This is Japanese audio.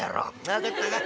分かったか？